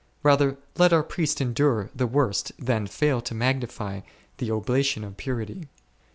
Rather let our priests endure the worst than fail to magnify the ob lation of purity.